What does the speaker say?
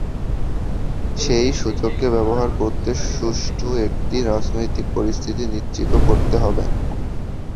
সেই সুযোগকে ব্যবহার করতে সুষ্ঠু একটি রাজনৈতিক পরিস্থিতি নিশ্চিত করতে হবে।